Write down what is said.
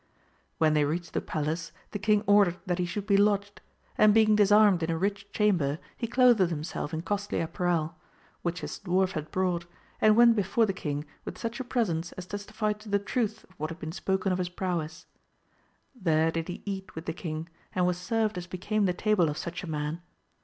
When they reached the palace the king ordered that he should be lodged, and being disarmed in a rich chamber he clothed himself in costly apparel, which his dwarf had brought, and went before the king with such a presence as testified to the truth of what had been spoken of his prowess ; there did he eat with the king, and was served as became the table of such a man.